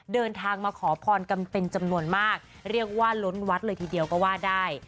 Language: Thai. เดินทางมาขอพรกันเป็นจำนวนมากเรียกว่าล้นวัดเลยทีเดียวก็ว่าได้